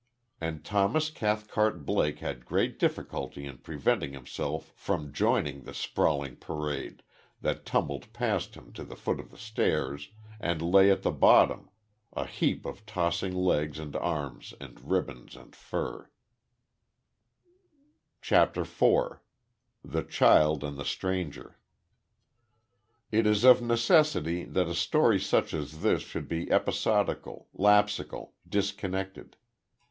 And Thomas Cathcart Blake had great difficulty in preventing himself from joining the sprawling parade that tumbled past him to the foot of the stairs, and lay at the bottom, a heap of tossing legs and arms and ribbons and fur. CHAPTER FOUR. THE CHILD AND THE STRANGER. It is of necessity that a story such as this should be episodical, lapsical, disconnected.